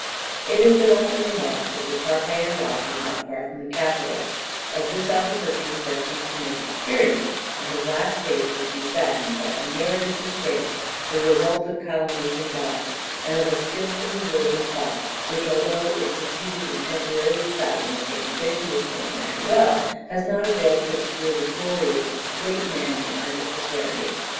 It has been often remarked that the Tarpeian rock is not far from the Capitol; of this Albuquerque was destined to make experience, and his last days were to be saddened by unmerited disgrace, the result of calumnies and lies, and of a skilfully woven plot, which, although it succeeded in temporarily clouding his reputation with King Emmanuel, has not availed to obscure the glory of this great man in the eyes of posterity.